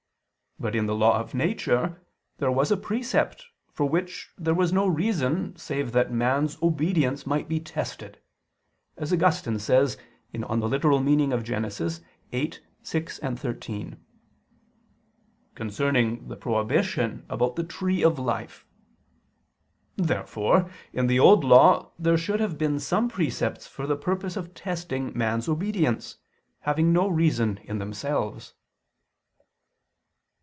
But in the law of nature there was a precept for which there was no reason save that man's obedience might be tested; as Augustine says (Gen. ad lit. viii, 6, 13), concerning the prohibition about the tree of life. Therefore in the Old Law there should have been some precepts for the purpose of testing man's obedience, having no reason in themselves.